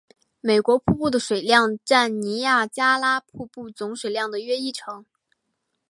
美国瀑布的水量占尼亚加拉瀑布总水量的约一成。